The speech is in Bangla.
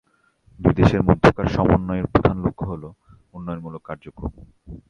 দুই দেশের মধ্যকার সমন্বয়ের প্রধান লক্ষ্য হল, উন্নয়নমূলক কার্যক্রম।